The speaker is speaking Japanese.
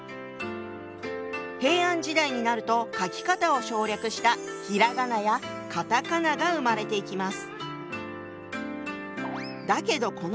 平安時代になると書き方を省略したひらがなやカタカナが生まれていきます。